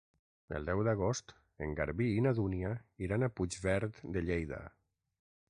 El deu d'agost en Garbí i na Dúnia iran a Puigverd de Lleida.